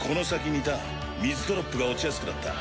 ２ターン水ドロップが落ちやすくなった。